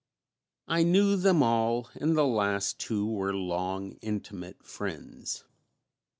I knew them all, and the last two were long intimate friends.